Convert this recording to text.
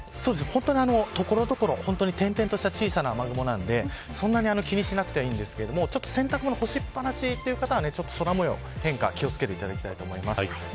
所々、点々とした小さな雨雲なんでそんなに気にしなくていいんですけど洗濯物干しっぱなしの方は空模様の変化に気を付けていただきたいと思います。